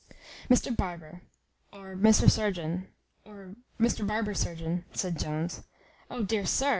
"Mr Barber, or Mr Surgeon, or Mr Barber surgeon," said Jones. "O dear sir!"